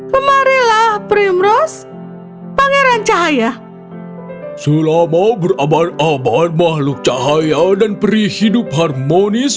kemarilah primrose pangeran cahaya selama berabad abad makhluk cahaya dan perihidup harmonis